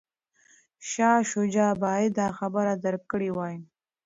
شاه شجاع باید دا خبره درک کړې وای.